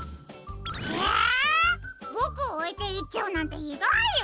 ボクをおいていっちゃうなんてひどいよ！